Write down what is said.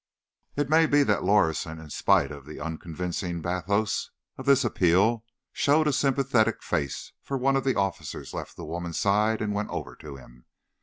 It may be that Lorison, in spite of the unconvincing bathos of this appeal, showed a sympathetic face, for one of the officers left the woman's side, and went over to him.